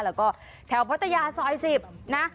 แล้วก็แถวพัทยาซอย๑๐นะ